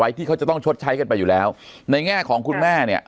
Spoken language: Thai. ที่เขาจะต้องชดใช้กันไปอยู่แล้วในแง่ของคุณแม่เนี่ย